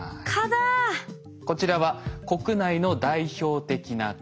こちらは国内の代表的な蚊。